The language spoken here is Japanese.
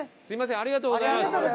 すみませんありがとうございます。